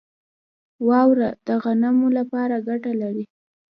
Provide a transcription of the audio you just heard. واوره د غنمو لپاره ګټه لري.